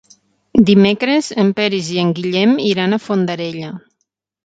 Dimecres en Peris i en Guillem iran a Fondarella.